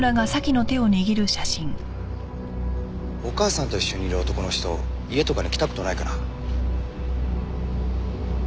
お母さんと一緒にいる男の人家とかに来た事ないかな？